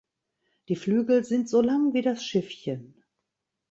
Die Flügel sind so lang wie das Schiffchen.